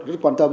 rất quan tâm